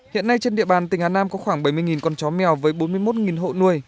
hiện nay trên địa bàn tỉnh hà nam có khoảng bảy mươi con chó mèo với bốn mươi một hộ nuôi